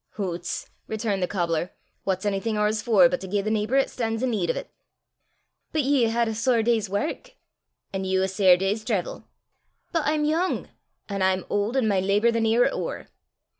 "Hoots!" returned the cobbler, "what's onything oors for but to gie the neeper 'at stan's i' need o' 't." "But ye hae had a sair day's wark!" "An' you a sair day's traivel!" "But I'm yoong!" "An' I'm auld, an' my labour the nearer ower."